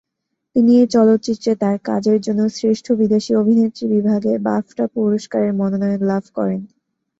তিনি এই চলচ্চিত্রে তার কাজের জন্য শ্রেষ্ঠ বিদেশি অভিনেত্রী বিভাগে বাফটা পুরস্কারের মনোনয়ন লাভ করেন।